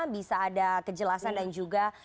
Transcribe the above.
bisa ada kejelasan dan juga